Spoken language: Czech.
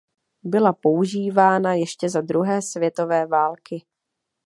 Byla používána ještě za druhé světové války.